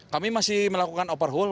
kami masih melakukan overhaul